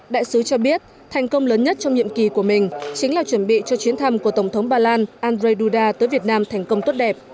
đại sứ cho biết thành công lớn nhất trong nhiệm kỳ của mình chính là chuẩn bị cho chuyến thăm của tổng thống ba lan andrzej duda tới việt nam thành công tốt đẹp